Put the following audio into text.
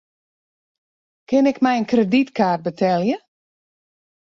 Kin ik mei in kredytkaart betelje?